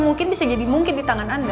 mungkin bisa jadi mungkin di tangan anda